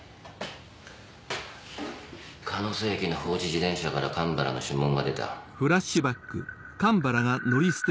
鹿瀬駅の放置自転車から神原の指紋が出た。